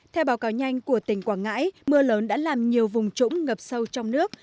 theo báo cáo nhanh của tỉnh quảng ngãi mưa lớn đã làm nhiều vùng trũng ngập sâu trong nước